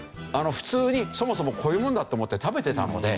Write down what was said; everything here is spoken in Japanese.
普通にそもそもこういうものだと思って食べてたので。